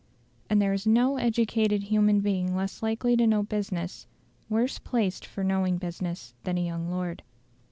And there is no educated human being less likely to know business, worse placed for knowing business than a young lord.